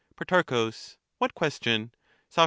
Pro. What question ? Soc.